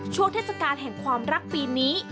เทศกาลแห่งความรักปีนี้